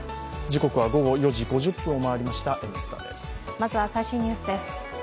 まずは最新ニュースです。